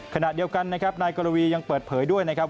ขณะเดียวกันนะครับนายกรวียังเปิดเผยด้วยนะครับ